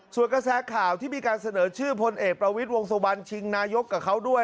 ส่วนกระแสข่าวที่มีการเสนอชื่อพลเอกประวิทย์วงสุวรรณชิงนายกกับเขาด้วย